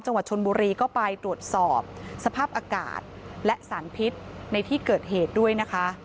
จังหวัดชนบุรีก็ไปตรวจสอบสภาพอากาศและสารพิษในที่เกิดเหตุด้วยนะคะ